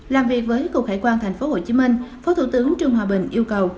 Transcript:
làm việc với cục hải quan tp hcm phó thủ tướng trương hòa bình yêu cầu